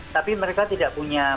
tapi mereka tidak punya